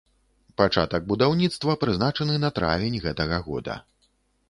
Пачатак будаўніцтва прызначаны на травень гэтага года.